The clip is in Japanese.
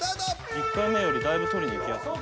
［１回目よりだいぶ取りにいきやすい］